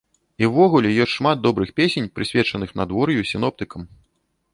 І ўвогуле, ёсць шмат добрых песень, прысвечаных надвор'ю і сіноптыкам.